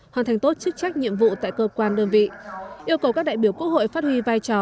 hoàn thành tốt chức trách nhiệm vụ tại cơ quan đơn vị yêu cầu các đại biểu quốc hội phát huy vai trò